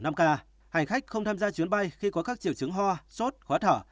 ngoài ra hành khách không tham gia chuyến bay khi có các triệu chứng hoa sốt khóa thở